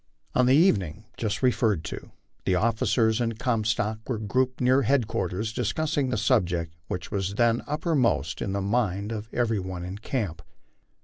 On the evening just referred to the officers and Comstock were grouped near headquarters discussing the subject which was then uppermost in the mind of every one in camp.